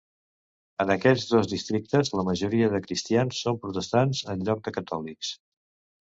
En aquests dos districtes, la majoria de cristians són Protestants en lloc de Catòlics.